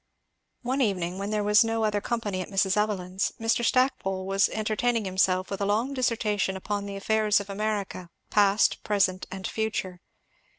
One evening when there was no other company at Mrs. Evelyn's, Mr. Stackpole was entertaining himself with a long dissertation upon the affairs of America, past, present, and future.